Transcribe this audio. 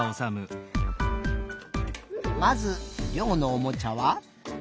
まずりょうのおもちゃは？